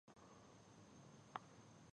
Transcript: سړې سیمې سړې غنم غواړي.